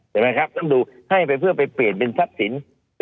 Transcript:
เห็นไหมครับต้องดูให้ไปเพื่อไปเปลี่ยนเป็นทรัพย์สิน